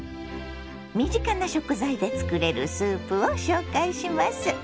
身近な食材で作れるスープを紹介します。